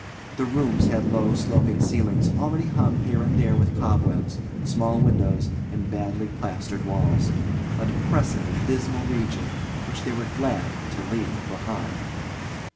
The rooms had low sloping ceilings already hung here and there with cobwebs, small windows, and badly plastered walls a depressing and dismal region which they were glad to leave behind.